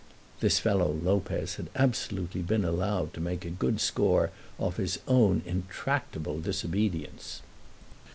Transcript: This fellow, Lopez, had absolutely been allowed to make a good score off his own intractable disobedience.